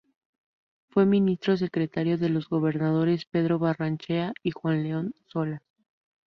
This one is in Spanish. Fue ministro secretario de los gobernadores Pedro Barrenechea y Juan León Solas.